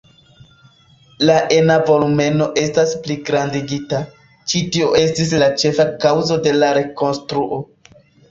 La ena volumeno estis pligrandigita, ĉi tio estis la ĉefa kaŭzo de la rekonstruo.